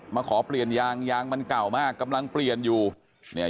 มาขอเปลี่ยนยางยางมันเก่ามากกำลังเปลี่ยนอยู่เนี่ย